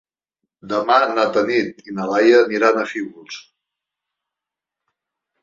Demà na Tanit i na Laia aniran a Fígols.